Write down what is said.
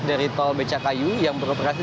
dari tol becakayu yang beroperasi